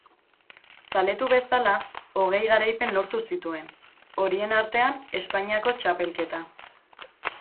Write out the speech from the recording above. Zaletu bezala hogei garaipen lortu zituen, horien artean Espainiako txapelketa.